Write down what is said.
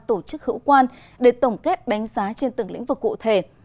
tổ chức hữu quan để tổng kết đánh giá trên từng lĩnh vực cụ thể